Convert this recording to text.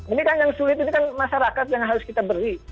ini kan yang sulit ini kan masyarakat yang harus kita beri